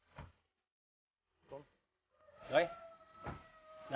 acing kos di rumah aku